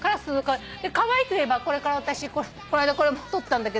カワイイといえば私この間これも撮ったんだけど。